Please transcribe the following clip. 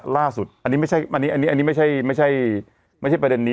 ล่าสุดอันนี้ไม่ใช่อันนี้อันนี้ไม่ใช่ไม่ใช่ไม่ใช่ประเด็นนี้